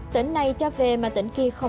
tỉnh này cho về mà tỉnh kia không